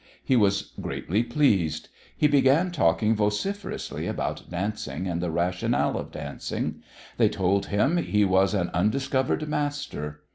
He was greatly pleased. He began talking vociferously about dancing and the rationale of dancing. They told him he was an undiscovered master.